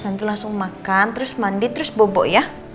tentu langsung makan terus mandi terus bobo ya